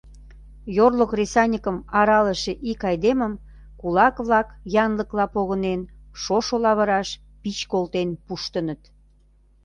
Йорло кресаньыкым аралыше ик айдемым кулак-влак, янлыкла погынен, шошо лавыраш пич колтен пуштыныт.